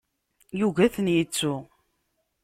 Yugi ad ten-yettu.